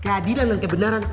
kehadiran dan kebenaran